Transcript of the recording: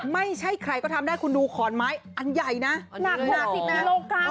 ไม่ใช่ใครก็ทำได้คุณดูขอนไม้อันใหญ่นะหนักสิบกิโลกรัม